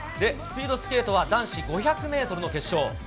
スピードスケートは男子５００メートルの決勝。